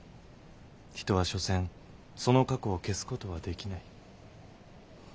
人はしょせんその過去を消す事はできない。